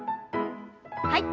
はい。